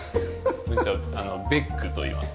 文鳥ベックといいます。